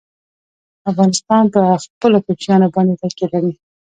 افغانستان په خپلو کوچیانو باندې تکیه لري.